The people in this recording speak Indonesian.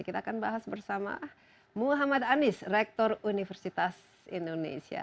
kita akan bahas bersama muhammad anies rektor universitas indonesia